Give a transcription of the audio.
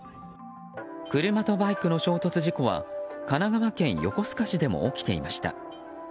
車とバイクの衝突事故は神奈川県横須賀市でも起きていました。